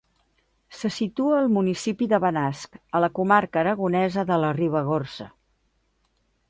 Se situa al municipi de Benasc, a la comarca aragonesa de la Ribagorça.